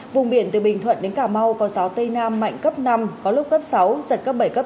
vùng biển từ bình thuận đến cà mau có gió tây nam mạnh cấp năm có lúc cấp sáu giật cấp bảy cấp tám